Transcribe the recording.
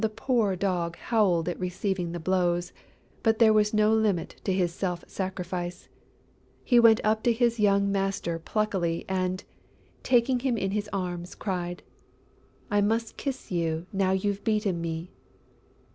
The poor Dog howled at receiving the blows; but there was no limit to his self sacrifice. He went up to his young master pluckily and, taking him in his arms, cried: "I must kiss you now you've beaten me!"